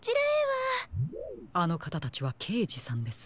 あのかたたちはけいじさんです。